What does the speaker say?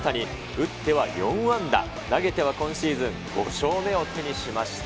打っては４安打、投げては今シーズン５勝目を手にしました。